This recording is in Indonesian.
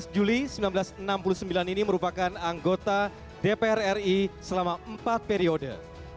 dua belas juli seribu sembilan ratus enam puluh sembilan ini merupakan anggota dpr ri selama empat periode